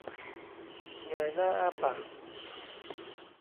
เงยหน้าอ้าปาก